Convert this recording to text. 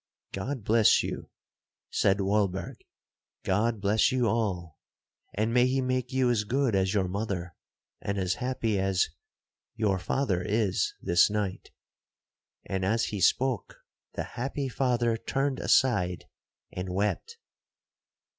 'God bless you!' said Walberg—'God bless you all,—and may he make you as good as your mother, and as happy as—your father is this night;' and as he spoke, the happy father turned aside and wept.